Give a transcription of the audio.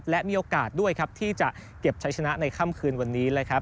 และมีโอกาสด้วยที่จะเก็บใช้ชนะในค่ำคืนวันนี้